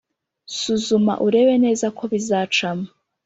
Suzuma urebe neza ko bizacamo